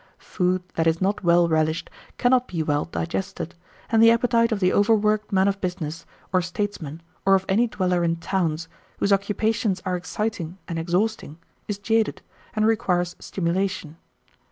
Food that is not well relished cannot be well digested; and the appetite of the over worked man of business, or statesman, or of any dweller in towns, whose occupations are exciting and exhausting, is jaded, and requires stimulation.